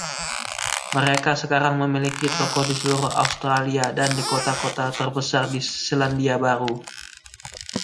Mereka sekarang memiliki toko di seluruh Australia dan di kota-kota terbesar di Selandia Baru.